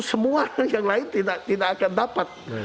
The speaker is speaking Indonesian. semua yang lain tidak akan dapat